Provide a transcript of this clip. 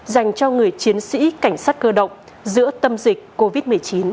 dành cho người chiến sĩ cảnh sát cơ động giữa tâm dịch covid một mươi chín